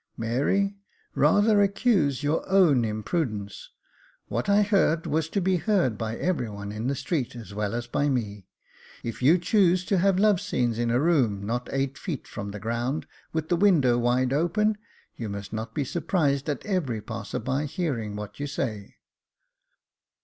*' Mary, rather accuse your own imprudence ; what I heard was to be heard by everyone in the street as well as by me. If you choose to have love scenes in a room not eight feet from the ground with the window wide open, you must not be surprised at every passer by hearing what you say."